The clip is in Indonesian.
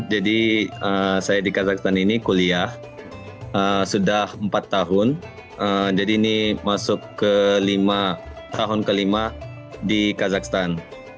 jadi saya di kazahstan ini kuliah sudah empat tahun jadi ini masuk ke lima tahun ke lima di kazahstan